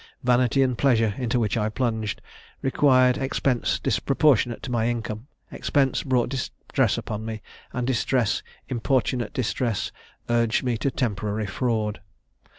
Vanity and pleasure, into which I plunged, required expense disproportionate to my income; expense brought distress upon me; and distress, importunate distress, urged me to temporary fraud.